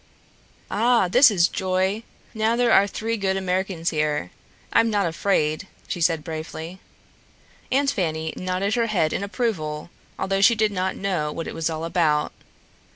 "Ah, this is joy! Now there are three good Americans here. I'm not afraid," she said bravely. Aunt Fanny nodded her head in approval, although she did not know what it was all about.